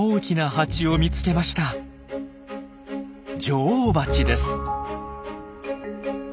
女王バチです。